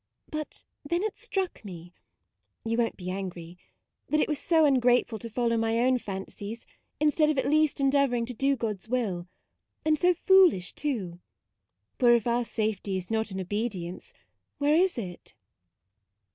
But then it struck me you won't be angry ? that it was so ungrateful to follow my own fancies, instead of at least endeavour ing to do God's will ; and so foolish, too ; for if our safety is not in obedience, where is it